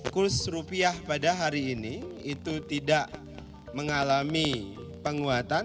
kurs rupiah pada hari ini itu tidak mengalami penguatan